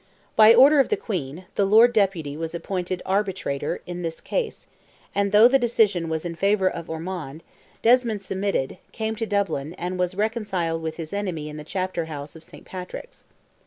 By order of the Queen, the Lord Deputy was appointed arbitrator in this case, and though the decision was in favour of Ormond, Desmond submitted, came to Dublin, and was reconciled with his enemy in the chapter house of St. Patrick's.